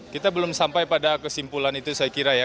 kita belum sampai pada kesimpulan itu saya kira ya